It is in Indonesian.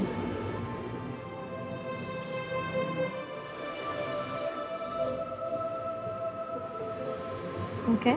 kamu sudah siap